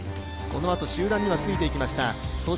このあと集団にはついていきました。